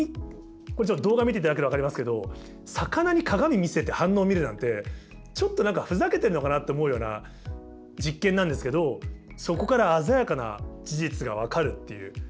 これちょっと動画見ていただけたら分かりますけど魚に鏡見せて反応見るなんてちょっと何かふざけてんのかなって思うような実験なんですけどそこから鮮やかな事実が分かるっていう。